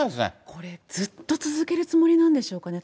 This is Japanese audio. これ、ずっと続けるつもりなんでしょうかね。